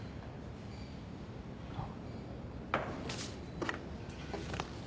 あっ。